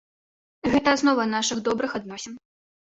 Гэта аснова нашых добрых адносін.